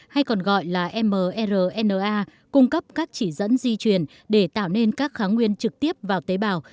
hay còn gọi là mrna cung cấp các chỉ dẫn di truyền để tạo nên các kháng nguyên trực tiếp vào tế bào